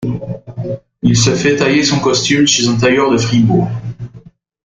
Il se fait tailler son costume chez un tailleur de Fribourg.